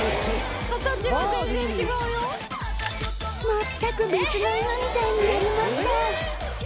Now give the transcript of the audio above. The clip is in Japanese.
全く別の犬みたいになりました